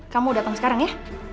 kamu datang sekarang ya